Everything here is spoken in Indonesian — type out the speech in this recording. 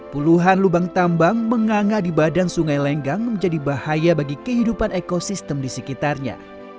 puluhan lubang tambang menganga di badan sungai lenggang menjadi bahaya bagi kehidupan ekosistem di sekitarnya